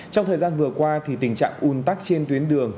trong thời gian vừa qua tình trạng un tắc trên tuyến đường